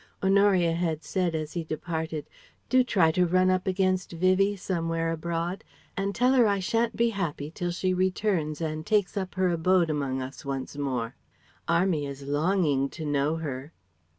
Honoria had said as he departed "Do try to run up against Vivie somewhere abroad and tell her I shan't be happy till she returns and takes up her abode among us once more. 'Army' is longing to know her."